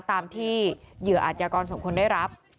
ตามที่เหยื่ออาจยากรสองคนได้รับ